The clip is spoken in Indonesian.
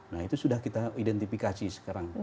nah itu sudah kita identifikasi sekarang